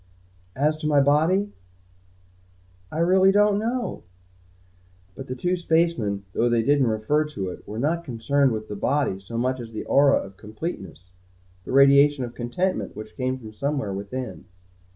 As to my body I really don't know." But the two spacemen, though they didn't refer to it were not concerned with the body so much as the aura of completeness, the radiation of contentment which came from somewhere within.